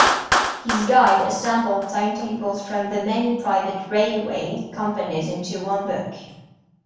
His guide assembled timetables from the many private railway companies into one book.